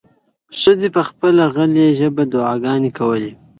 ښځې په خپله غلې ژبه دعاګانې کولې.